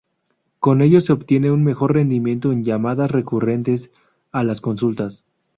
Con ello se obtiene un mejor rendimiento en llamadas recurrentes a las consultas.